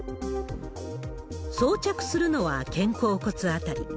装着するのは肩甲骨辺り。